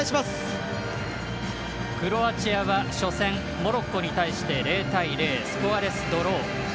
クロアチアは初戦モロッコに対してスコアレスドロー